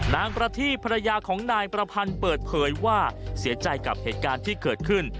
นางประทีบภรรยาของนายประพันธ์เปิดเผยว่าเสียใจกับเหตุการณ์ที่เกิดขึ้น